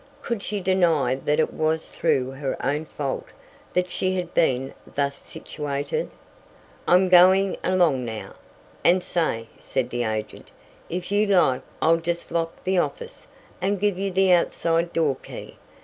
Could she deny that it was through her own fault that she had been thus situated? "I'm goin' along now, and say," said the agent, "if you like I'll just lock the office, and give you the outside door key.